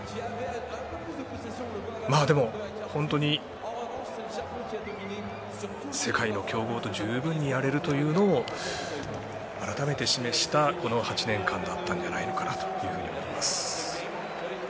でも、本当に世界の強豪と十分にやれるというのを改めて示したこの８年間だったんじゃないのかなと思います。